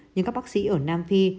nhưng các bác sĩ ở nam phi